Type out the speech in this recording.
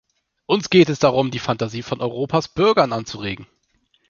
Uns geht es darum, die Phantasie von Europas Bürgern anzuregen.